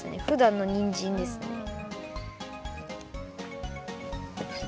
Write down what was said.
ふだんのにんじんですね。